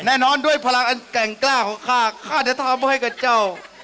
แน่นอนด้วยพลังอันแกร่งกล้าของข้าข้าจะทำให้กับเจ้า